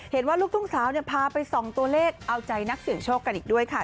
เห็นว่าลูกทุ่งสาวเนี่ยพาไปสองตัวเลขเอาใจนักเสียงโชคกันอีกด้วยค่ะ